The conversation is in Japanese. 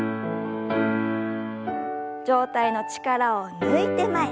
上体の力を抜いて前。